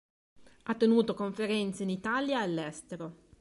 Ha tenuto conferenze in Italia e all'estero.